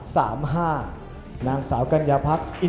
๓๓๐ครับนางสาวปริชาธิบุญยืน